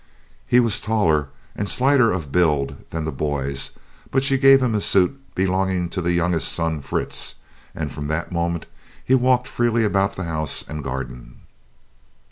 He was taller and slighter of build than the "boys," but she gave him a suit belonging to the youngest son, Fritz, and from that moment he walked freely about the house and garden.